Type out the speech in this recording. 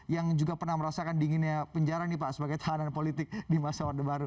yang juga pernah merasakan dinginnya penjara nih pak sebagai tahanan politik di masa orde baru